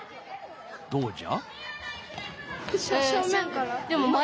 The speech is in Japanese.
どうじゃ？